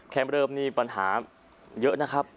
แคลงประเดิมนี่ปัญหาเยอะนะครับ